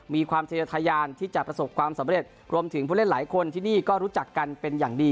มีความทะยานที่จะประสบความสำเร็จรวมถึงผู้เล่นหลายคนที่นี่ก็รู้จักกันเป็นอย่างดี